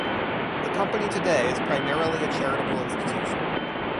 The Company today is primarily a charitable institution.